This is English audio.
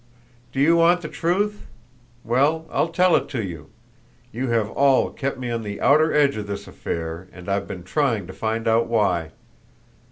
"Do you want the truth? Well, I'll tell it to you. You have all kept me on the outer edge of this affair, and I've been trying to find out why.